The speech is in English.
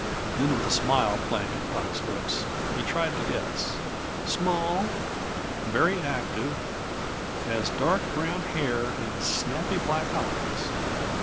71 Then, with a smile playing about his lips, he tried to guess. "Small, very active, has dark brown hair and snappy black eyes."